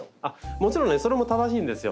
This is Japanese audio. もちろんねそれも正しいんですよ。